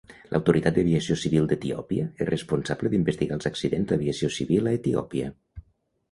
L'Autoritat d'Aviació Civil d'Etiòpia és responsable d'investigar els accidents d'aviació civil a Etiòpia.